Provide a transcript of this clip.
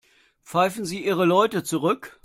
Pfeifen Sie Ihre Leute zurück.